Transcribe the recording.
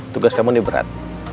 tugas kamu ini berat